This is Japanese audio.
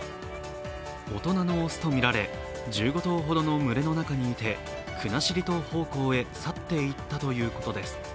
大人の雄とみられ、１５頭ほどの群れの中にいて国後島方向へ、去って行ったということです。